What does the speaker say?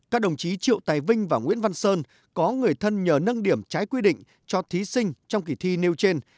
các đồng chí triệu tài vinh và nguyễn văn sơn có người thân nhờ nâng điểm trái quy định cho thí sinh trong kỳ thi nêu trên